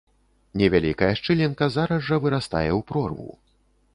Невялікая шчылінка зараз жа вырастае ў прорву.